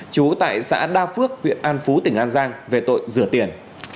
chú tại xã đa phước huyện an phú tỉnh an giang về tội rửa tiền